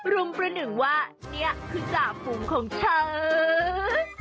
รุมประหนึ่งว่านี่คือจ่าฝูงของฉัน